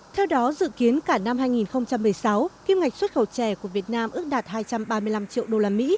theo đó dự kiến cả năm hai nghìn một mươi sáu kim ngạch xuất khẩu chè của việt nam ước đạt hai trăm ba mươi năm triệu usd